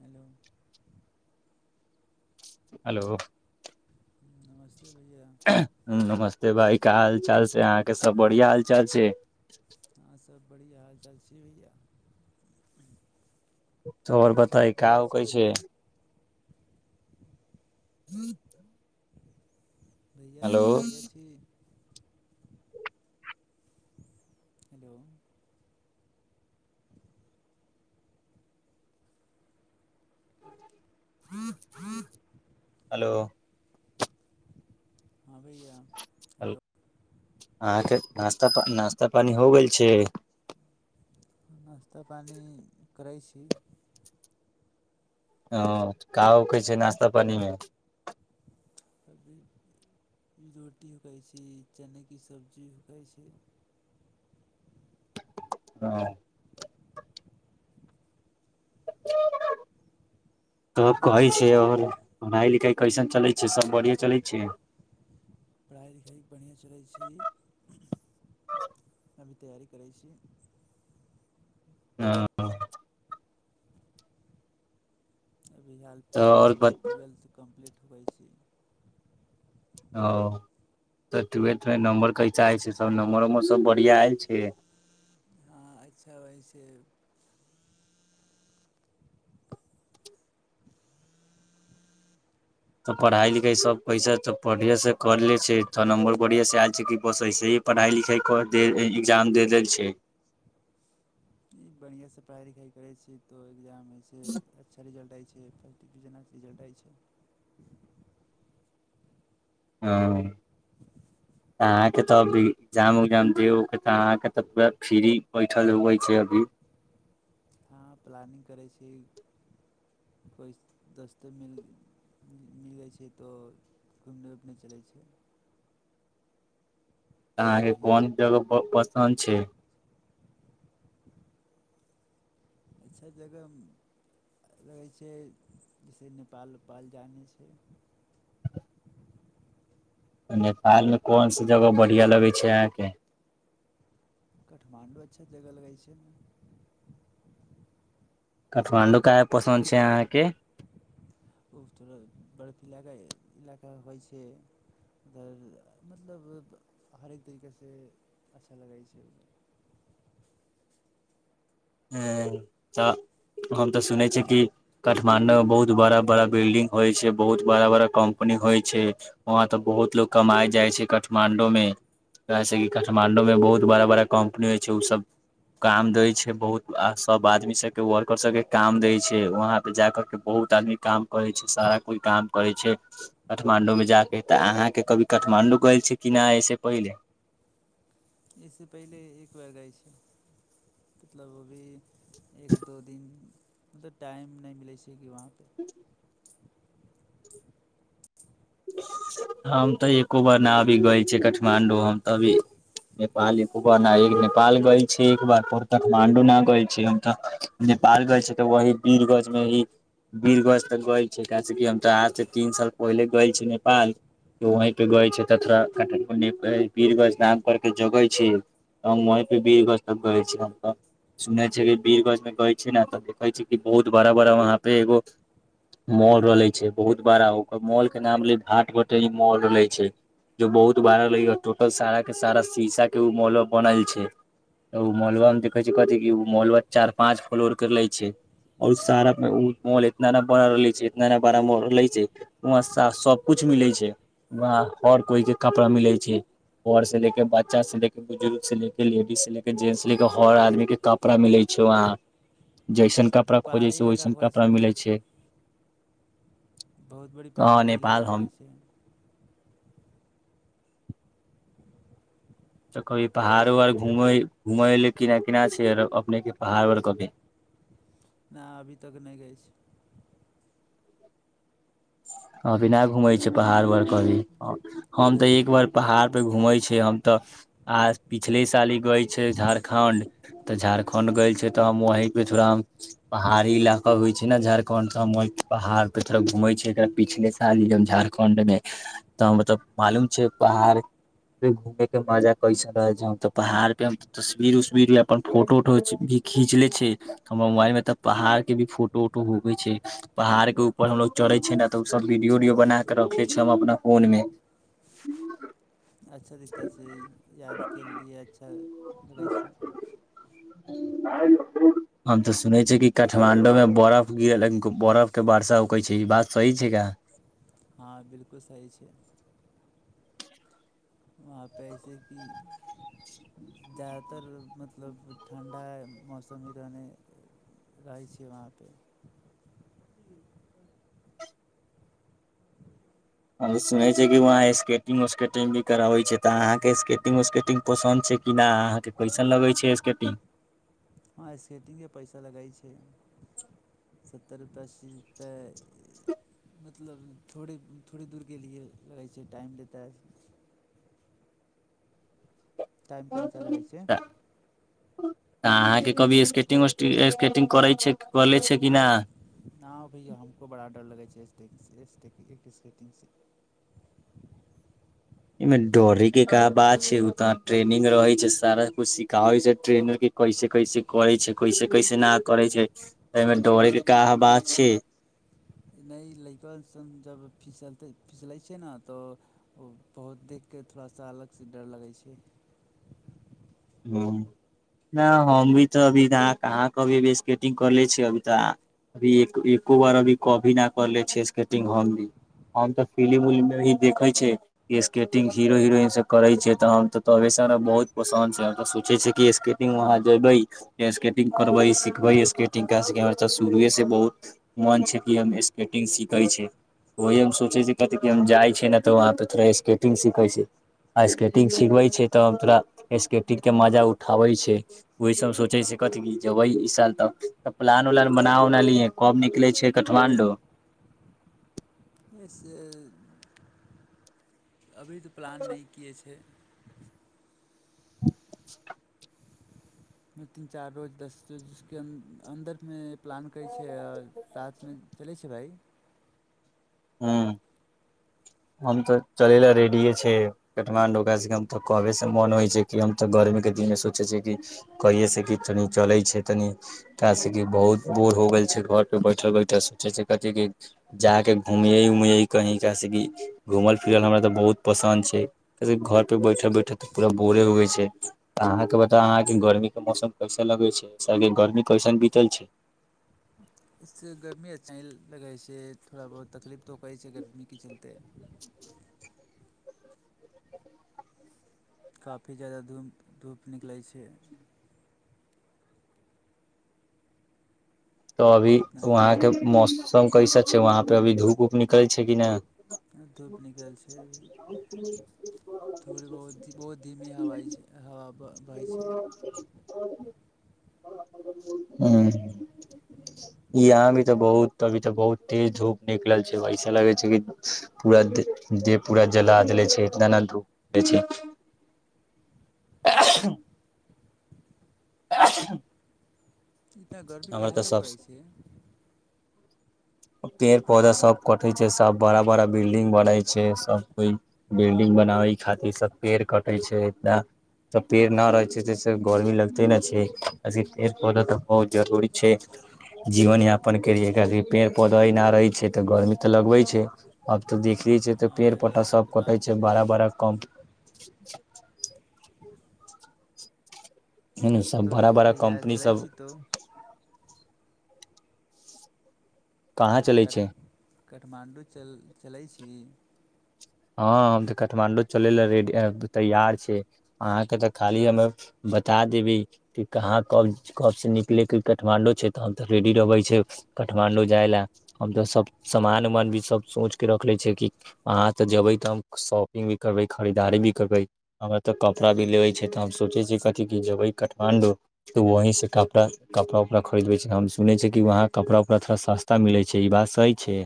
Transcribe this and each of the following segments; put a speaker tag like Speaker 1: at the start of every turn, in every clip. Speaker 1: hello
Speaker 2: hello
Speaker 1: नमस्ते भैया
Speaker 2: नमस्ते भाइ का हालचाल छै अहाँके सब बढ़ििया हालचाल छै
Speaker 1: बड़ हाल चालची होए
Speaker 2: तर बताइ काव कै छै ह
Speaker 1: भैया तू बढ़िआँ छी हेलो
Speaker 2: [inaudible] हेलो
Speaker 1: हँ भैया हलो
Speaker 2: अहाँके नास्ता पा नाश्ता पानी हो गेल छै
Speaker 1: नाश्ता पानि करै छी
Speaker 2: ह का उ कहै छै नाश्ता पानिमे
Speaker 1: अभी रोटी उकाै छै चनेके सब्जी उकाइ छै
Speaker 2: हँ [unintelligible] तब कहै
Speaker 1: भैया
Speaker 2: छै आओर पढ़ाइ लिखाइ कैसन चलै छै सब बढ़िए चलै छै
Speaker 1: पढ़ाइ लिखाइ बढ़ियाँ चलै छै अभी तैयारी करै छी
Speaker 2: हाँ
Speaker 1: अभी हाल
Speaker 2: तऽ और
Speaker 1: फिलहालमे
Speaker 2: बत
Speaker 1: ट्वेल्थ कम्पलीट धबै छी
Speaker 2: ओ तऽ ट्वेल्थमे नम्बर कैसा होइ छै सभ नम्बर उम्बर सभ बढ़िआँ आयल छै
Speaker 1: हँ अच्छा वइसँ
Speaker 2: तऽ पढ़ाइ लिखाइ सभ कैसे तऽ बढ़िएसँ कर लै छै तऽ नम्बर बढ़िएँसँ आएल छै की बस इसे ही पढ़ाइ लिखाइ कऽ कर दे-एक्जाम दे देल छै
Speaker 1: बढ़ियाँ से पढ़ाइ लिखाइ करै छी तऽ एग्जाम होइ छै अच्छा रिजल्ट आइ छै फर्स्ट डिविजनके रिजल्ट आइ छै
Speaker 2: हँ अहाँके तऽ अभी एग्जाम उग्जाम देके उ तऽ अहाँके तऽ पूरा फ्री बैठल होवै छै अभी
Speaker 1: हाँ प्लानिंग करै छै कोइ दोस्त मिल मिल जाइ छै तऽ घूमने उमने चलै छै
Speaker 2: अहाँके
Speaker 1: कहीँ दूर
Speaker 2: कोन जगह प-पसन्द छै
Speaker 1: अच्छा जगह रहै छै जैसे नेपाल उपाल जानै छै
Speaker 2: नेपालमे कोन स जगह बढ़ियाँ लगै छै अहाँके
Speaker 1: काठमांडू अच्छा जगह लगै छै
Speaker 2: काठमाण्डू काहे पसन्द छै अहाँके
Speaker 1: ओ थोड़ा बर्फ इलाका इलाका होइ छै उधर मतलब हरेक तरीकासँ अच्छा लगै छै
Speaker 2: हें तऽ हम तऽ सुनै छियै कि काठमाण्डूमे बहुत बड़ा बड़ा बिल्डिंग होइ छै बहुत बड़ा बड़ा कम्पनी होइ छै वहाँ तऽ बहुत लोको कमाइ जाइ छै काठमाण्डूमे जैसे काठमाण्डूमे बहुत बड़ा बड़ा कम्पनी होइ छै ओसभ काम दै छै बहुत आ सभ आदमी सभके वर्कर सभके काम दै छै वहाँपे जा कर के बहुत आदमी काम करै छै सारा कोइ काम करै छै काठमाण्डूमे जा कऽ तऽ अहाँके कभी काठमाण्डू गेल छै की नहि अइसँ पहिले
Speaker 1: एहिसँ पहिले एक बार गैल छै मतलब ओभी एक दो दिन ओतऽ टाइम नहि मिलै छै की वहाँ
Speaker 2: [unintelligible] हम तऽ एको बार न अभी गेल छी काठमाण्डू हम तऽ अभी नेपाल एको बार न नेपाल गेल छी एक बार काठमाण्डू न गेल छी हम तऽ नेपाल गेल छी तऽ वही बीरगंज मे ही बीरगंज तऽ गेल छी कैस की हम तऽ अहाँ से तीन साल पहिले गेल छी नेपाल वहींपे गेल छी क-कटरा बीरगंज नाम कर के जगह छै हम वहींपे बीरगंज तक गेल छी सुने छै बीरगंज में गय छी न तऽ देखै छी बहुत बड़ा बड़ा वहाँपे एगो मॉल रहले छै बहुत बड़ा ओकर मॉल के नाम ले भाट भटे मॉल रहले छै जो बहुत बार रहलै टोटल सारा के सारा शीशा के उ मॉल बनल छै ओ
Speaker 1: अच्छा
Speaker 2: मॉलबा मे देखै छी कथि की उ मॉलवा चार पाँंच फ्लोर के लै छै आओर सारा मे उ मॉल इतना ने बड़ा छै इतना ने बड़ा मॉल रहले छै वहाँ सभकुछ मिलै छै वहाँ हर कोइके कपड़ा मिलै छै घरसँ ले के बच्चासँ ले के बुजुर्गसँ ले के लेडीजसँ ले के जेंटससँ ले के हर आदमीके कपड़ा मिलै छै वहाँ जैसन
Speaker 1: तो
Speaker 2: कपड़ा खोजै
Speaker 1: पहाड़ी
Speaker 2: छै
Speaker 1: इलाका
Speaker 2: ओैसन
Speaker 1: होइ
Speaker 2: कपड़ा
Speaker 1: ने
Speaker 2: मिलै छै
Speaker 1: बहुत बड़ी
Speaker 2: कहाँ
Speaker 1: पहाड़ी
Speaker 2: नेपाल
Speaker 1: इलाका
Speaker 2: हम
Speaker 1: होइ छै
Speaker 2: तऽ कभी पहाड़ो आर घूमै-घूमै लेए केना केना छै आर अपनेके पहाड़ो आर कभी
Speaker 1: ना अभी तक नहि जाइ छी
Speaker 2: अभी ना घूमै छै पहाड़ उहाड़ कभी
Speaker 1: छी
Speaker 2: हम तऽ एक
Speaker 1: नहि
Speaker 2: बार पहाड़ पे घूमै छै हम तऽ आ पिछले साल गैल छै झारखण्ड तऽ झारखंड गेल छै तऽ हम वहीं पे थोड़ा हम पहाड़ी इलाका होइ छै ने झारखण्ड त हम वहीं पहाड़ पे थोड़ा घूमै छै पिछले साल झारखंड मे तऽ मतलब मालूम छै पहाड़ घूमैके मजा कैसन रहै छै त पहाड़ पे तस्वीर उस्वीर अपन फोटो उटो भी खींच लै छै हमर मोबाइल मे तऽ पहाड़ के भी फोटो उटो होवै छै पहाड़ के ऊपर हमलोग चढ़े छै न तऽ ओ सब वीडियो उडियो बना के रखले छी हम अपना फोन मे
Speaker 1: अच्छा रिस्ता छै यादके लिए अच्छा लगै छै
Speaker 2: हम तऽ सुनेै छियै की काठमांडू में बरफ गिरल बरफ के वर्षा उकै छै के ई बात सही छै का
Speaker 1: हँ बिलकुल सही छै वहाँपर जइसे कि जाादातर मतलब ठण्ढा मौसम ही रहने रहै छै वहाँपे
Speaker 2: हम सुनै छियै कि वहाँ स्केटिंग उकेटिंग भी कराबै छै तऽ अहाँके स्केटिंग उस्केटिंग पसन्द छै कि नहि अहाँके कैसन लगै छै स्केटिंग
Speaker 1: वहाँ स्केटिंगके पैसा लगै छै सत्तरि रुपैए अस्सी रुपैए मतलब थोड़े थोड़े दूर गेलियै लगै छै टाइम टाइम कोन सा लगै छै
Speaker 2: तऽ अहाँके कभी स्केटिंग स्केटिंग करै छै कले छै
Speaker 1: न
Speaker 2: कि ना
Speaker 1: न भै हमको बड़ा डर लगे छै एकटीस कटंगस
Speaker 2: एहिमे डौड़यके का बात छै ओतऽ ट्रेनिंग रहै छै सारा किछु सिखाबै छै ट्रेनरके कैसे कैसे करै छै कैसे कैसे न करै छै एहिमे डौड़ैके क बात छै
Speaker 1: नहि लड़कन जब फिसलतै फीसलै छै ने तऽ ओ बहुत देखिक थोड़ा सा अलगसँ डर लगै छै
Speaker 2: ह नहि हम भी तऽ अभी कहाँ कभी अभी स्केटिंग करले छियै अभी तऽ अभी एको बार अभी कभी नहि करले छियै स्केटिंग हम भी हम तऽ फिल्म उिल्ममे भी देखै छियै कि स्केटिंग हीरो हिरोइनसँ करै छियै तऽ हम तऽ तबेसँ हम बहुत पसन्द छै ऽ सोचै छै कि स्केटिंग वहाँ जेबै त स्केटिंग करबै सिखबै स्केटिंग क स हमरऽ शुरुएसँ बहुत मन छै कि हम स्केटिंग सीखै छी ओह सोचै छी कहतै कि हम जाइ छी ने तऽ वहाँपर थोड़ा स्केटिंग सीखै छी आ स्केटिंग सिखबै छै तऽ ोड़ा स् कु के मजा उठाबै छै ओह सब सोचै छै कथ जेबै इ साल तऽ प्लान उलान बना उना लि कब निकलै छै काठमाणं्डू
Speaker 1: जसे अभी तऽ प्लान नहि किै छै
Speaker 2: ह
Speaker 1: तीन चार रोज दस रोजस अन्दरमे प्लान करै छै रथमे चलै छै भाइ
Speaker 2: हँ हम तऽ चले ला रेडिये छै काठमां्डू क तऽ कहबे से मन होइ छै कि हम तऽ गर्मी के दिन मे सोचे छिय कि कहिे से कि तनी चले छै तनि क कि बहुत बोर हो गेल छै घर पे बैठल बैठल सोचे छ कथि क जााक घूमिये उमिय कही जैसेेक कि घुमल फिरल हमरा तऽ बहुत पसन्द छै कैसे घर पे बैठल बैठल तऽ पूरा बोरे उगै छै अहाँकेँ बताउ अहाँके गर्मीके मौसम कैसे लगै छैस गर्मी कैसन बीतल छै
Speaker 1: इस गर्मी आ चइ लगै छै थोड़ा बहुत तकलीफ तो कैस अकडमी चल त काफी जा्याददा धूप धूप निकलै छै
Speaker 2: तऽ अभी
Speaker 1: इतना
Speaker 2: वहााँके मस सब कैसा छै वहाँ पे अभी धूप उप निकलै छै कि नहि
Speaker 1: धूप निकल छै अभी थोड़ी बहुत बहुत धीमी हवा हवा बहै छै
Speaker 2: [unintelligible] ह ह यहाँ भी तऽ बहुत अभी तऽ बहुत तेज धूप निकलल छै ऐसा लगै छै कि पूरा दे देह पूरा जला देले छै इतना ने धूपै छै [inaudible]
Speaker 1: इतना गर्बी
Speaker 2: हमरा तऽ
Speaker 1: कहाहेके
Speaker 2: सब
Speaker 1: पड़ै छै
Speaker 2: पेड़ पौधा सब कटे छै सब बड़ा बड़ा बिल्डिंग बनै छै सब कोइ बिल्डिंग बनाबै खातिर सब पेड़ कटे छै इना त पेड़ न रहै छै जस गर्मी लगते ने छै पेड़ पौधा तऽ बहुत जरूरी छै जीवन यापन के लिए ककि पेड़ पौधा एना रहै छै तऽ गर्मी तऽ लगबे छै अब तऽ देखले छै त
Speaker 1: हँ
Speaker 2: पेड़
Speaker 1: भैया
Speaker 2: पौ्ता
Speaker 1: ई
Speaker 2: सब
Speaker 1: तऽ
Speaker 2: कटे
Speaker 1: बात
Speaker 2: छै
Speaker 1: छी
Speaker 2: बड़ा बड़ा कम ह
Speaker 1: अच्छा
Speaker 2: सभ
Speaker 1: तऽ
Speaker 2: बड़ा बड़ा
Speaker 1: भैया
Speaker 2: कम्पनी
Speaker 1: चलै
Speaker 2: सब
Speaker 1: छी तो
Speaker 2: कहाँ चलै छै
Speaker 1: कट काठमाण्डू चल चलैत छै की
Speaker 2: हाँ हम तऽ काठमांडू चलै लाए रेडी ऐं तैयार छै अहाँके तऽ खाली हमे बता देबै की कहाँ कब कब से निकलयैके काठमांडू छै तऽ हम तऽ रेडी रहबै छै काठमांडू जाइ लाए हम तऽ सब समामान उमान भी सब सोच के रखले छियै की अहाँ तऽ जेबै तऽ हम शॉपिंग भी करबै खरीदारी भी करबै हमरा तऽ कपड़ा भी लेबै छै तऽ हम सोचै छियै कथि की जेबै काठमाण्डू तऽ वहाँ कपड़ा कपड़ा उपड़ा खरीदबै छी हम सुनै छियै कि वहाँ कपड़ा उपड़ा थोड़ा सस्ता मिलै छै ई बात सही छै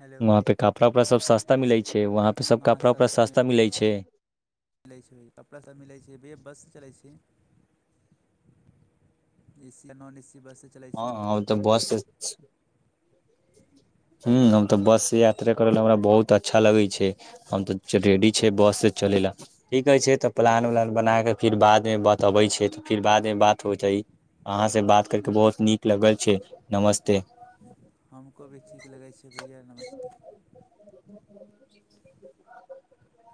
Speaker 1: हेलो
Speaker 2: वहाँ पे कपड़ा उपड़ा सब सस्ता मिलै छै वहाँपे सब कपड़ा उपड़ा सब सस्ता मिलै छै
Speaker 1: मिलै छै कपड़ा सभ मिलै छै ब-बस से चलै छी एसी नॉन ऐसी
Speaker 2: हँ हँ ओ तऽ बस से [inaudible] [inaudible] हूँ हम तऽ बससँ यात्रा करै लाए हमरा बहुत अच्छा लगै छै हम तऽ रेडी छै बससँ चलै लाए ठीक कहै छै तऽ प्लान उलान बना कऽ फेर बादमे बातबै छै तऽ फेर बादमे बात हो जाइ अहाँसँ बात करि कऽ बहुत नीक लगल छै नमस्ते
Speaker 1: हम को भी ठीक लगै छै भैया नमस्ते
Speaker 2: [inaudible]